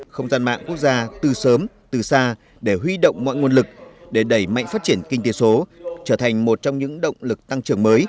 không gian mạng quốc gia từ sớm từ xa để huy động mọi nguồn lực để đẩy mạnh phát triển kinh tế số trở thành một trong những động lực tăng trưởng mới